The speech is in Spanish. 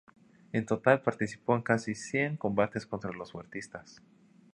En total participó en casi cien combates contra los huertistas.